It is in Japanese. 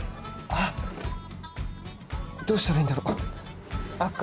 あっ、どうしたらいいんだろう。